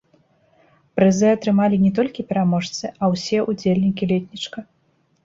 Прызы атрымалі не толькі пераможцы, а ўсе ўдзельнікі летнічка.